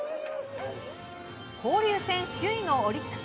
交流戦首位のオリックス。